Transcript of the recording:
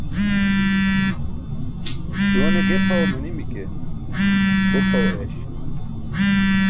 Śuwa ne ge pʰaw manimi ke, bo pʰaw ayaś.